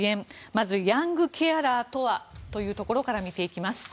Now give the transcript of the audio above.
まずヤングケアラーとはというところから見ていきます。